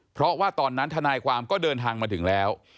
เพราะว่าตอนนั้นทนายความก็เดินทางมาถึงแล้ว